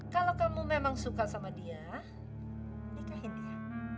kalau kamu memang suka sama dia nikahin dia